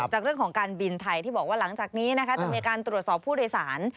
จากเรื่องของการบินไทยที่บอกว่าหลังจากนี้นะคะจะมีการตรวจสอบผู้โดยสาร